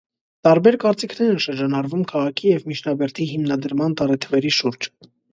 Տարբեր կարծիքներ են շրջանառվում քաղաքի և միջնաբերդի հիմնադրման տարեթվերի շուրջ։